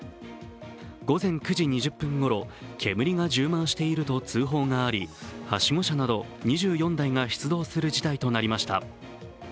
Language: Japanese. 午前９時２０分ごろ、煙が充満していると通報があり、はしご車など、２４台が出動する事態となりました。